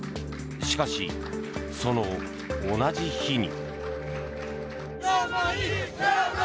しかし、その同じ日に。